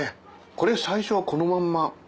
これ最初はこのまんま？